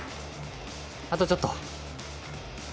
あとちょっと。